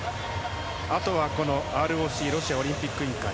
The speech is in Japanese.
あとはＲＯＣ・ロシアオリンピック委員会。